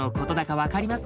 分かります？